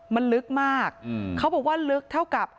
มันลึกมากเขาบอกว่าลึกเท่ากับ